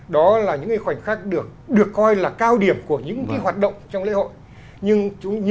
đó là những khoảnh khắc được được coi là cao điểm của những hoạt động trong lễ hội